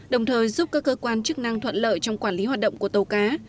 đồng thời giúp các cơ quan chức năng thuận lợi trong quản lý hoạt động của tàu cá